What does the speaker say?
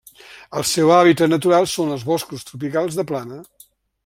El seu hàbitat natural són els boscos tropicals de plana.